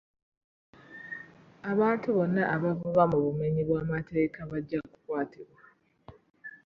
Abantu bonna abavuba mu bumenyi bw'amateeka bajja kukwatibwa.